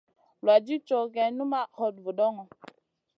Vuladid cow gèh numaʼ hot vudoŋo.